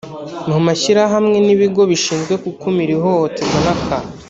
mu mashyirahmwe n’ibigo bishinzwe gukumira ihohotera n’akato